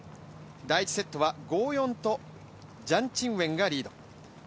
第１セットは５−４とジャン・チンウェンがリード。